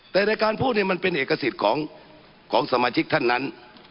แต่ในการพูดเนี่ยมันเป็นเอกสิทธิ์ของสมาชิกท่านนั้น